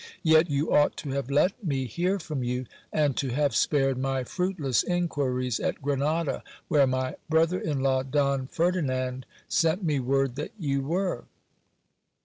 Yet you ought to have let me lear from you, and to have spared my fruitless inquiries at Grenada, where my jrother in law, Don Ferdinand, sent me word that you were.